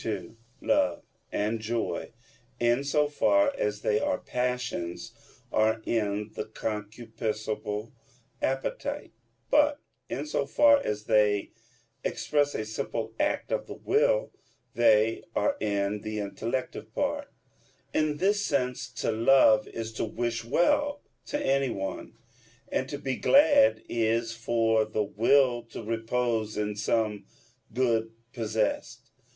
2: Love and joy, in so far as they are passions, are in the concupiscible appetite, but in so far as they express a simple act of the will, they are in the intellective part: in this sense to love is to wish well to anyone; and to be glad is for the will to repose in some good possessed.